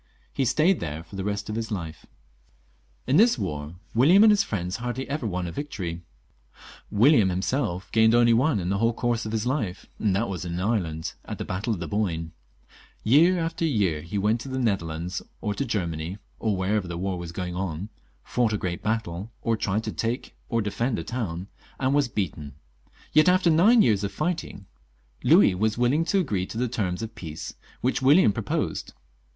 He stayed there for the rest of his life. In this war William and his friends hardly ever won a victory. William himself gained only one in the whole course of his life, and that was in Ireland, at the battle of the Boyne, Year after year he went to the Netherlands, or to Germany, or wherever the war was going on, fought a great battle, or tried to take or defend a town, and was XLV.] LOUIS XIV. 353 beaten. Yet, after nine years of fighting, Louis was willing to agree to the tenns of peace which William proposed.